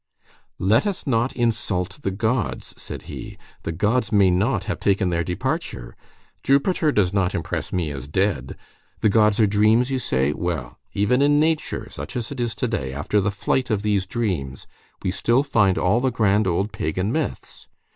"Let us not insult the gods," said he. "The gods may not have taken their departure. Jupiter does not impress me as dead. The gods are dreams, you say. Well, even in nature, such as it is to day, after the flight of these dreams, we still find all the grand old pagan myths.